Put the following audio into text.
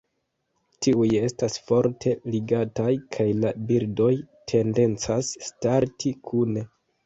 Tiuj estas forte ligataj kaj la birdoj tendencas starti kune.